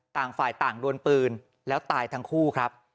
ต่างฝ่ายต่างดวนปืนแล้วตายทั้งคู่ครับ